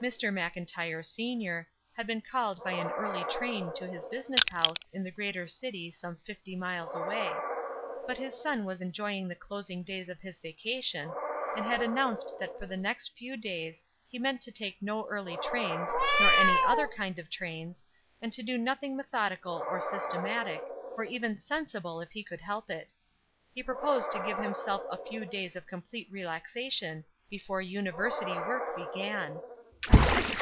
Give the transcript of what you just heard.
Mr. Mclntyre, Senior, had been called by an early train to his business house in the greater city some fifty miles away; but his son was enjoying the closing days of his vacation, and had announced that for the next few days he meant to take no early trains, nor any other kind of trains, and to do nothing methodical or systematic, or even sensible if he could help it : he proposed to give himself a few days of complete relaxation before University work began.